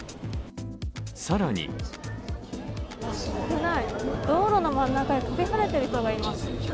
更に危ない、道路の真ん中で跳びはねている人がいます。